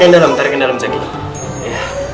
tariknya di dalam tariknya di dalam zaky